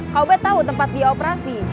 kau bet tau tempat dia operasi